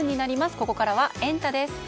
ここからはエンタ！です。